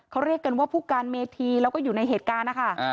เขาเรียกกันว่าผู้การเมธีแล้วก็อยู่ในเหตุการณ์นะคะ